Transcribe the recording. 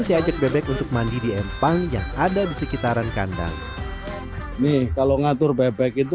saya ajak bebek untuk mandi di empang yang ada di sekitaran kandang nih kalau ngatur bebek itu